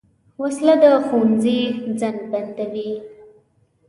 وسله د ښوونځي زنګ بندوي